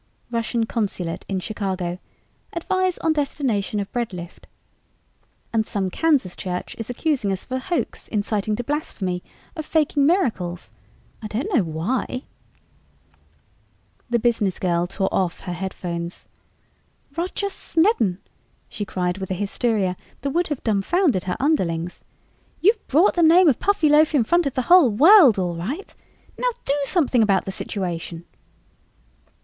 Russian Consulate in Chicago: Advise on destination of bread lift. And some Kansas church is accusing us of a hoax inciting to blasphemy, of faking miracles I don't know why." The business girl tore off her headphones. "Roger Snedden," she cried with a hysteria that would have dumfounded her underlings, "you've brought the name of Puffyloaf in front of the whole world, all right! Now do something about the situation!"